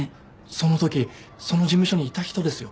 そのときその事務所にいた人ですよ。